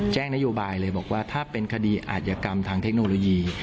นโยบายเลยบอกว่าถ้าเป็นคดีอาจยกรรมทางเทคโนโลยี